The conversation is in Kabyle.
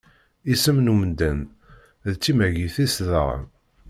Isem n umdan d timagit-is daɣen.